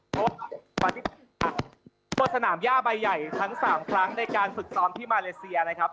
พบสนามย่าใบใหญ่ทั้ง๓ครั้งในการฝึกซ้อมที่มาเลเซียนะครับ